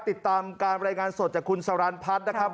ติดตามการรายงานสดจากคุณสรรพัฒน์นะครับ